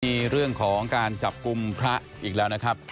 มีเรื่องของการจับกลุ่มพระอีกแล้วนะครับ